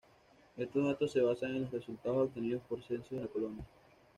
Estos datos se basan en los resultados obtenidos por censos en la Colonia.